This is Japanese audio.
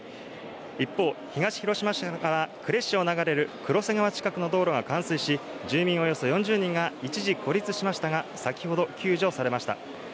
一方、東広島市から呉市を流れる黒瀬川近くの道路が冠水し、住民およそ４０人が一時、孤立しましたが先ほど救助されました。